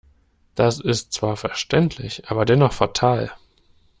Das ist zwar verständlich, aber dennoch fatal.